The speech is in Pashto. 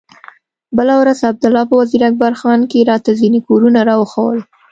بله ورځ عبدالله په وزير اکبر خان کښې راته ځينې کورونه راوښوول.